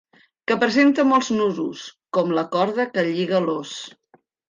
Que presenta molts nusos, com la corda que lliga l'ós.